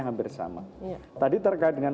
hampir sama tadi terkait dengan